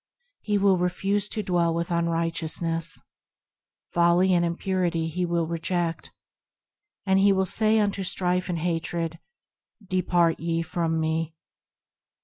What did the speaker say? He will refuse to dwell with unrighteousness. Folly and impurity he will reject, And he will say unto strife and hatred, " Depart ye from me."